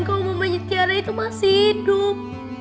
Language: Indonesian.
kalo mama nyit tiara itu masih hidup